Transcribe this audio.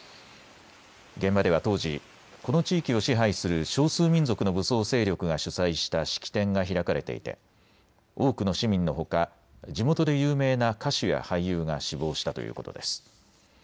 現場では当時、この地域を支配する少数民族の武装勢力が主催した式典が開かれていて多くの市民のほか地元で有名な歌手や俳優が死亡したということです。